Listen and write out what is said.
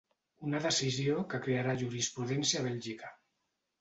Una decisió que crearà jurisprudència a Bèlgica.